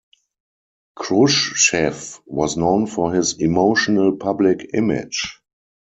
Khrushchev was known for his emotional public image.